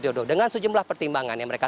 jodoh dengan sejumlah pertimbangan yang mereka